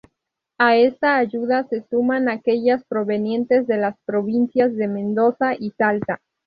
A esta ayuda se suman aquellas provenientes de las provincias de Mendoza y Salta.